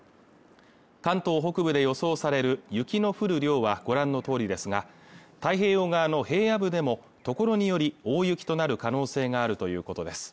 関東北部で予想される雪の降る量はご覧のとおりですが太平洋側の平野部でも所により大雪となる可能性があるということです